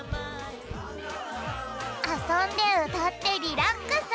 あそんでうたってリラックス！